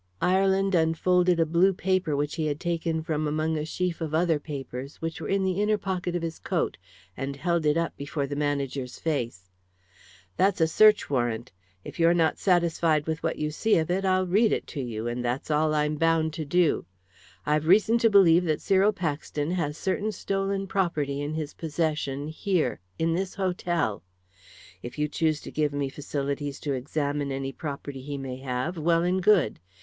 Ireland unfolded a blue paper which he had taken from among a sheaf of other papers, which were in the inner pocket of his coat, and held it up before the manager's face. "That's a search warrant. If you're not satisfied with what you see of it, I'll read it to you, and that's all I'm bound to do. I've reason to believe that Cyril Paxton has certain stolen property in his possession here, in this hotel. If you choose to give me facilities to examine any property he may have, well and good.